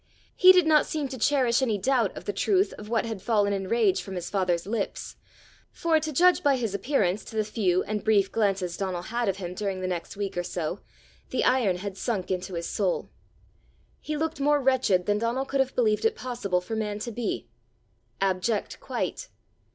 He did not seem to cherish any doubt of the truth of what had fallen in rage from his father's lips, for, to judge by his appearance, to the few and brief glances Donal had of him during the next week or so, the iron had sunk into his soul: he looked more wretched than Donal could have believed it possible for man to be abject quite.